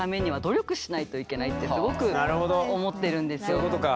そういうことか。